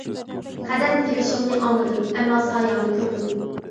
قەدەم تىۋىشىڭنى ئاڭلىدىم، ئەمما سايەڭنى كۆرمىدىم.